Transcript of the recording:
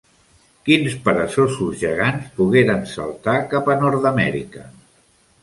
Quins peresosos gegants pogueren saltar cap a Nord-amèrica?